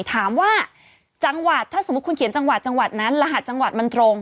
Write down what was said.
ถามว่าจังหวัดถ้าสมมุติคุณเขียนจังหวัดจังหวัดนั้นรหัสจังหวัดมันตรง